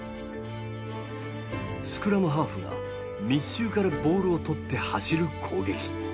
スクラムハーフが密集からボールを取って走る攻撃。